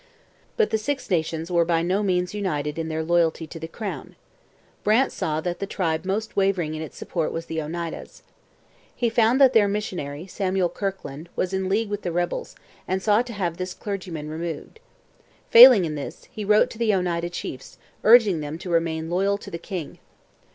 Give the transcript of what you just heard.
But the Six Nations were by no means united in their loyalty to the crown. Brant saw that the tribe most wavering in its support was the Oneidas. He found that their missionary, Samuel Kirkland, was in league with the rebels, and sought to have this clergyman removed. Failing in this, he wrote to the Oneida chiefs, urging them to remain loyal to the king.